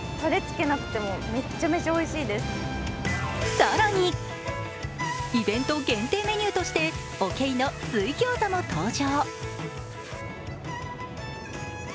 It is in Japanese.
更に、イベント限定メニューとして、おけいの水餃子も登場。